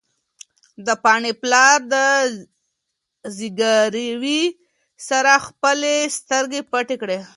د پاڼې پلار د زګېروي سره خپلې سترګې پټې کړې.